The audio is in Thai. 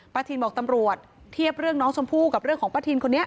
ทินบอกตำรวจเทียบเรื่องน้องชมพู่กับเรื่องของป้าทินคนนี้